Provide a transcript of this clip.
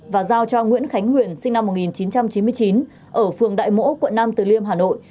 và giao cho nguyễn khánh huyền sinh năm một nghìn chín trăm chín mươi chín ở phường đại mỗ quận nam từ liêm hà nội